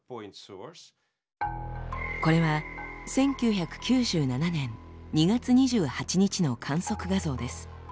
これは１９９７年２月２８日の観測画像です。